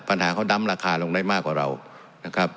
ปัญหาเขาดำราคาลงได้มากกว่าเรานะครับ